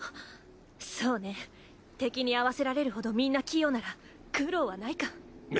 そうね敵に合わせられるほどみんな器用なら苦労はないか。